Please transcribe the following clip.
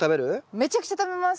めちゃくちゃ食べます。